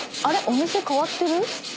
お店変わってる？